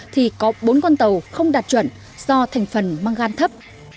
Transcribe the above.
thì có bốn con tàu không đạt chuẩn do thành phần mang gan thấp